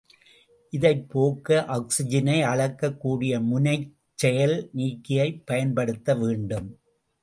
இதைப் போக்க ஆக்சிஜனை அளக்கக் கூடிய முனைச் செயல் நீக்கியைப் பயன்படுத்த வேண்டும்.